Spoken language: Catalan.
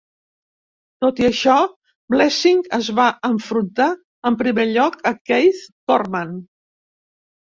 Tot i això, Blessing es va enfrontar en primer lloc a Keith Corman.